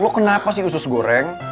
loh kenapa sih usus goreng